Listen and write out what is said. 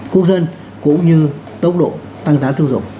quốc dân cũng như tốc độ tăng giá tiêu dụng